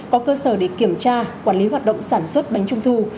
có cơ sở để kiểm tra quản lý hoạt động sản xuất bánh trung thu